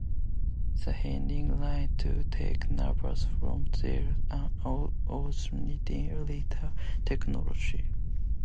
The bleeding lance has taken numerous forms throughout the Arthurian literature chronology.